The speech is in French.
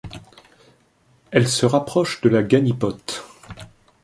Elle se rapproche de la ganipote.